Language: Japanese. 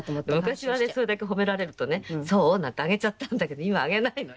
昔はそれだけ褒められるとね「そう？」なんてあげちゃったんだけど今あげないのよ。